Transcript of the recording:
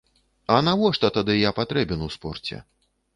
А навошта тады я патрэбен у спорце?